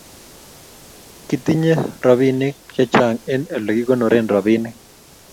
Kitinye robinik chechang eng olegigonoren robinik